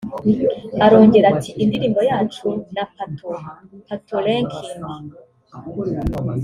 Arongera ati “ Indirimbo yacu na Pato[Patoranking]